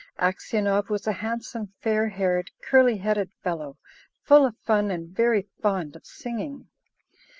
Aksionov was a handsome, fair haired, curly headed fellow, full of fun, and very fond of singing.